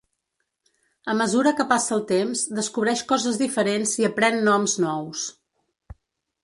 A mesura que passa el temps descobreix coses diferents i aprèn noms nous.